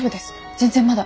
全然まだ。